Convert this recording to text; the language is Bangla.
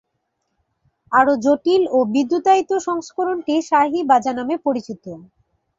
আরও জটিল ও বিদ্যুতায়িত সংস্করণটি শাহী বাজা নামে পরিচিত।